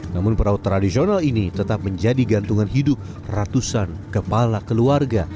namun perahu tradisional ini tetap menjadi gantungan hidup ratusan kepala keluarga